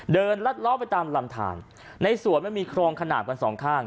ลัดล้อไปตามลำทานในสวนมันมีครองขนาดกันสองข้าง